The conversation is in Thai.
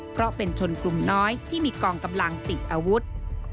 เพราะเป็นชนกลุ่มน้อยที่มีกองกำลังติดอาวุธ